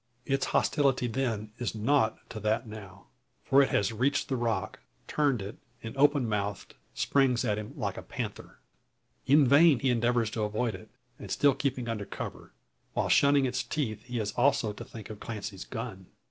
Its hostility then is nought to that now. For it has reached the rock, turned it, and open mouthed, springs at him like a panther. In vain he endeavours to avoid it, and still keep under cover. While shunning its teeth, he has also to think of Clancy's gun.